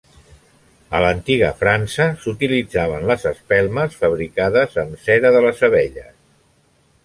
A l'antiga França s'utilitzaven les espelmes fabricades amb cera de les abelles.